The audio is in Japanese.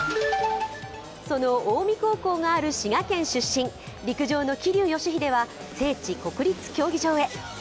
その近江高校がある滋賀県出身、陸上の桐生祥秀は聖地・国立競技場へ。